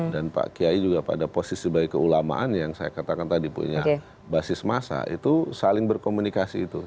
dan pak kiai juga pada posisi baik keulamaan yang saya katakan tadi punya basis massa itu saling berkomunikasi itu